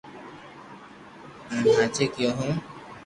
ھين ھاي ڪيو ھون